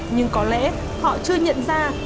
nhưng có lẽ họ chưa nhận ra